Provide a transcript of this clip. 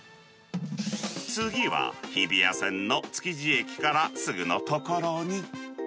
次は、日比谷線の築地駅からすぐの所に。